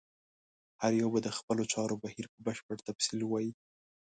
هر یو به د خپلو چارو بهیر په بشپړ تفصیل ووایي.